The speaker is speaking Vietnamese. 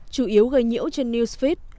chủ yếu gây nhiễu trên newsfeed